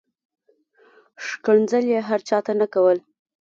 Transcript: ښکنځل یې هر چاته نه کول.